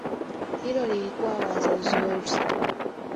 Hilo lilikua wazo zuri